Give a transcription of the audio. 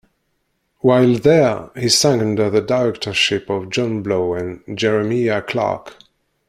While there, he sang under the directorship of John Blow and Jeremiah Clarke.